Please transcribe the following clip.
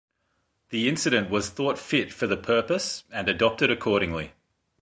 The incident was thought fit for the purpose and adopted accordingly.